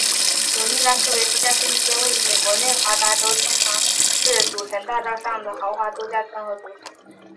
永利拉斯维加斯是一间位于美国内华达州天堂市赌城大道上的豪华度假村和赌场。